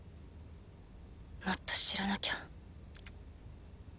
もっと知らなきゃ。